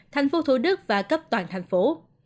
thành phố thủ đức và cấp toàn thành phố